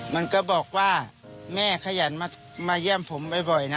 มันก็บอกว่าแม่ขยันมาเยี่ยมผมบ่อยนะ